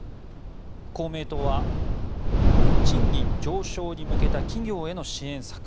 公明党は賃金上昇に向けた企業への支援策